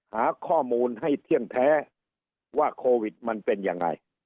หาข้อมูลให้เที่ยงแท้ว่าโควิดมันเป็นยังไง